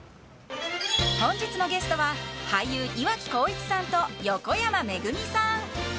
本日のゲストは俳優・岩城滉一さんと横山めぐみさん。